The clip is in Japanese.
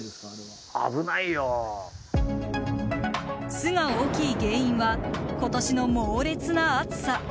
巣が大きい原因は今年の猛烈な暑さ。